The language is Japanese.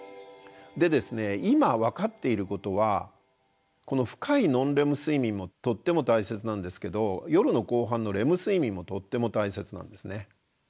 でですね今分かっていることはこの深いノンレム睡眠もとっても大切なんですけど夜の後半のレム睡眠もとっても大切なんですね。